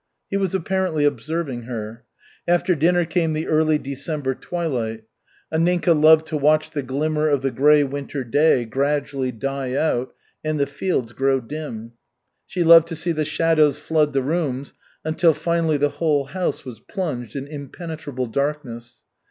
He was apparently observing her. After dinner came the early December twilight. Anninka loved to watch the glimmer of the gray winter day gradually die out and the fields grow dim; she loved to see the shadows flood the rooms until finally the whole house was plunged in impenetrable darkness.